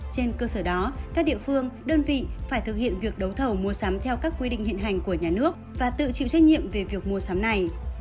trên cơ sở đó các địa phương đơn vị phải thực hiện việc đấu thầu mua sắm theo các quy định hiện hành của nhà nước và tự chịu trách nhiệm về việc mua sắm này